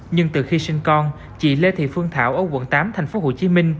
nhưng từ khi sinh con chị lê thị phương thảo ở quận tám tp hcm